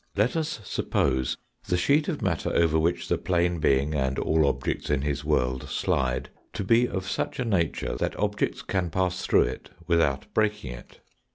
Let us suppose the sheet of matter over which the plane being and all objects in his, world slide, to be of such a nature that objects can pass through it without breaking it.